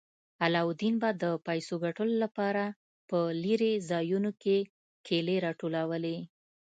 علاوالدین به د پیسو ګټلو لپاره په لیرې ځایونو کې کیلې راټولولې.